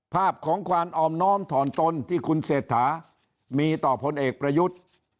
ภาพของความออมน้อมถอนตนที่คุณเศรษฐามีต่อพลเอกประยุทธ์